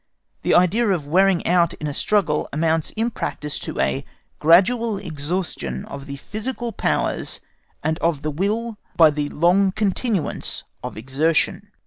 The idea of wearing out in a struggle amounts in practice to a gradual exhaustion of the physical powers and of the will by the long continuance of exertion.